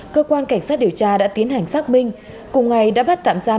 cơ quan cảnh sát điều tra đã tiến hành xác minh cùng ngày đã bắt tạm giam